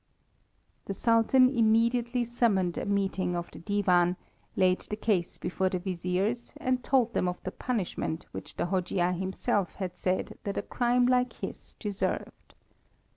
The Sultan immediately summoned a meeting of the Divan, laid the case before the Viziers, and told them of the punishment which the Hojia himself had said that a crime like his deserved.